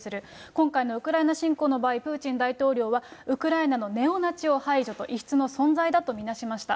今回のウクライナ侵攻の場合、プーチン大統領はウクライナのネオナチを排除と、異質の存在だと見なしました。